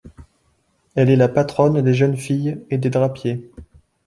Elle est la patronne des jeunes filles et des drapiers.